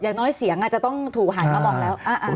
อย่างน้อยเสียงอาจจะต้องถูกหันมามองแล้ว